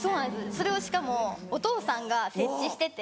それをしかもお父さんが設置してて。